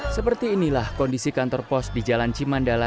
seperti inilah kondisi kantor pos di jalan cimandala